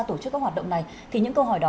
tổ chức các hoạt động này thì những câu hỏi đó